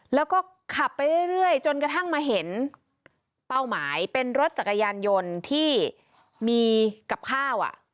แล้วก็ขับไปเรื่อยจนกระทั่งมาเห็นเป้าหมายเป็นรถจักรยานยนต์ที่มีกับข้าว